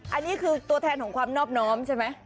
อันนี้คือตัวแทนของความนอบน้อมใช่ไหม